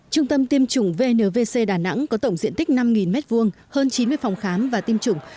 trung tâm tiêm chủng vnvc đà nẵng có tổng diện tích năm m hai hơn chín mươi phòng khám và tiêm chủng